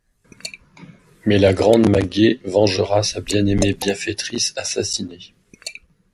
Mais la grande Maguet vengera sa bien-aimée bienfaitrice assassinée…